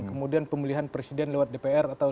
kemudian pemilihan presiden lewat pemerintah